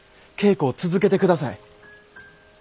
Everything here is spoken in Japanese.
稽古を続けてください。